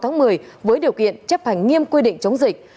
ngày sáu tháng một mươi với điều kiện chấp hành nghiêm quy định chống dịch